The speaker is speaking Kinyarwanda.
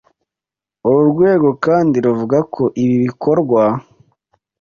Uru rwego kandi ruvuga ko ibi bikorwa